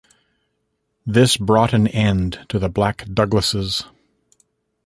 This brought an end to the Black Douglases.